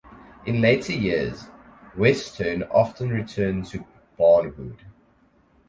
In later years Wheatstone often returned to Barnwood.